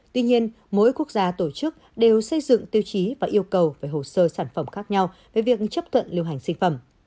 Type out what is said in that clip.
tuy nhiên mỗi quốc gia tổ chức đều xây dựng tiêu chí và yêu cầu về hồ sơ sản phẩm khác nhau về việc chấp thuận lưu hành sinh phẩm